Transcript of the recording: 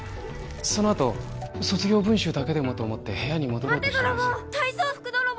そのあと卒業文集だけでもと思って部屋に戻ろうと・待て泥棒！